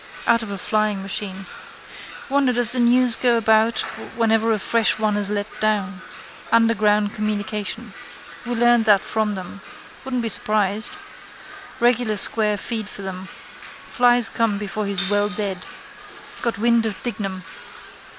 Out of a flying machine. Wonder does the news go about whenever a fresh one is let down. Underground communication. We learned that from them. Wouldn't be surprised. Regular square feed for them. Flies come before he's well dead. Got wind of Dignam.